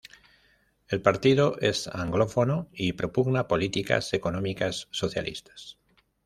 El partido es anglófono y propugna políticas económicas socialistas.